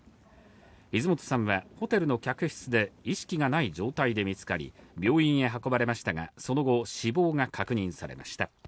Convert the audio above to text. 泉本さんはホテルの客室で意識がない状態で見つかり、病院へ運ばれましたが、その後、死亡が確認されました。